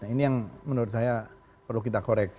ini yang menurut saya perlu kita koreksi